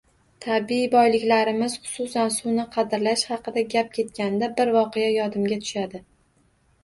Tabiiy boyliklarimiz, xususan, suvni qadrlash haqida gap ketganida, bir voqea yodimga tushadi